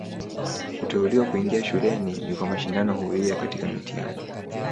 Kuteuliwa kuingia shuleni ni kwa mashindano huria katika mtihani.